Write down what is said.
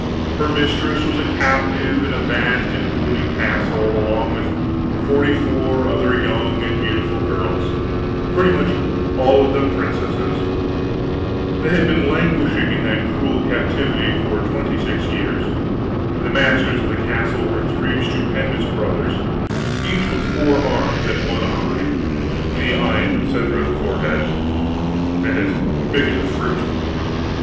Her mistress was a captive in a vast and gloomy castle, along with forty four other young and beautiful girls, pretty much all of them princesses; they had been languishing in that cruel captivity for twenty six years; the masters of the castle were three stupendous brothers, each with four arms and one eye the eye in the center of the forehead, and as big as a fruit.